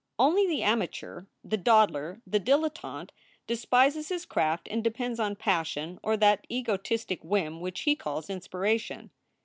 Only the amateur, the dawdler, the dilettante despises his craft and depends on passion or that egotistic whim which he calls inspiration.